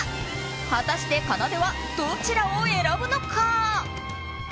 果たして、かなではどちらを選ぶのか。